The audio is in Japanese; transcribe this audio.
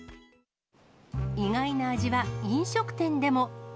意外な味は、飲食店でも。